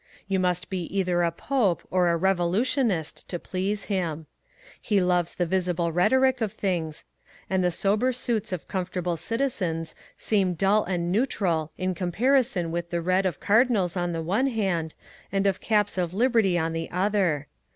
You must be either a Pope or a revolutionist to please him. He loves the visible rhetoric of things, and the sober suits of comfortable citizens seem dull and neutral in comparison with the red of cardinals on the one hand, and of caps of liberty on the other.